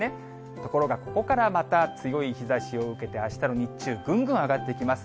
ところがここからまた強い日ざしを受けて、あしたの日中、ぐんぐん上がっていきます。